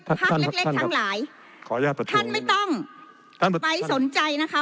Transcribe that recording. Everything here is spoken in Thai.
พักเล็กเล็กทั้งหลายขออนุญาตท่านไม่ต้องท่านไปสนใจนะคะ